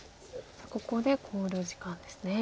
ここで考慮時間ですね。